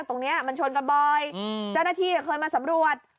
ตรงนี้มันชนกันบ่อยเจ้าหน้าที่เคยมาสำรวจ